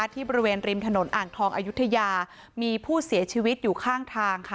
ที่บริเวณริมถนนอ่างทองอายุทยามีผู้เสียชีวิตอยู่ข้างทางค่ะ